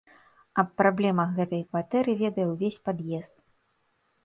Аб праблемах гэтай кватэры ведае ўвесь пад'езд.